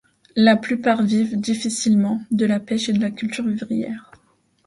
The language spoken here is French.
La plupart vivent, difficilement, de la pêche et de cultures vivrières.